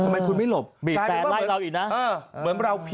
บีบแปลงไล่เราอีกนะ